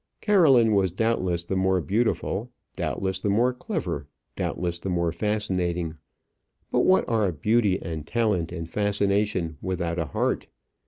Caroline was doubtless the more beautiful, doubtless the more clever, doubtless the more fascinating. But what are beauty and talent and fascination without a heart?